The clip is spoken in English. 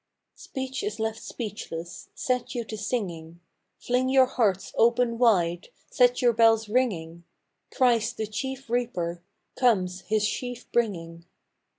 Speech is left speechless :— Set you to singing, Fling your hearts open wide, Set your bells ringing ; Christ the Chief Reaper Comes, His sheaf bringing.